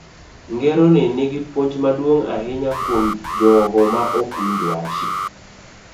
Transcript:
Ngero ni nigi puonj maduong' ahinya kuom jogo ma ok winj wach.